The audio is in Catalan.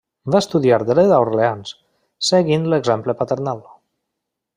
Va estudiar Dret a Orleans, seguint l'exemple paternal.